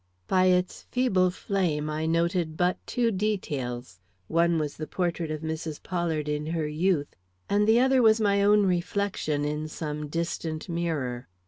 By its feeble flame I noted but two details: one was the portrait of Mrs. Pollard in her youth, and the other was my own reflection in some distant mirror.